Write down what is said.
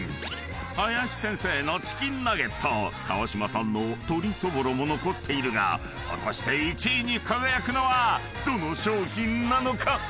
［林先生のチキンナゲット川島さんの鶏そぼろも残っているが果たして１位に輝くのはどの商品なのか⁉］